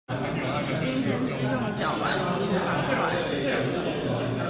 今天是用腳玩魔術方塊